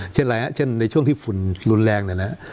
เช่นในช่วงที่ฝุ่นรุนแรง